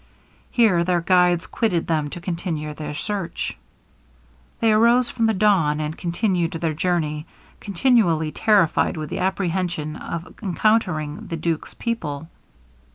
Here their guides quitted them to continue their search. They arose with the dawn, and continued their journey, continually terrified with the apprehension of encountering the duke's people.